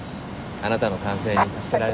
あなたの管制に助けられ。